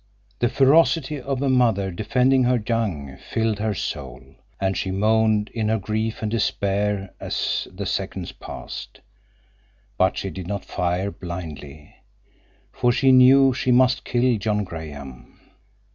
The ferocity of a mother defending her young filled her soul, and she moaned in her grief and despair as the seconds passed. But she did not fire blindly, for she knew she must kill John Graham.